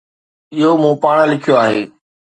اهو مون پاڻ لکيو آهي.